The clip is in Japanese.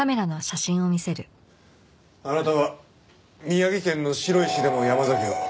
あなたは宮城県の白石でも山崎を。